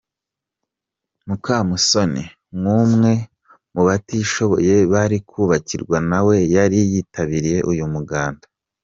Mukamusoni, nk’umwe mu batishoboye bari kubakirwa na we yari yitabiriye uyu umuganda.